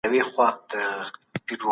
د مرتد سزا د دین د ساتنې لپاره ده.